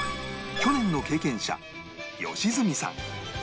去年の経験者良純さん